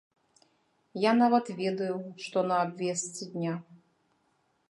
Я нават ведаю, што на абвестцы дня.